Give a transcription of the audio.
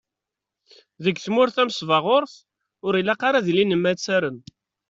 Deg tmurt tamesbaɣurt, ur ilaq ara ad ilin yimattaren.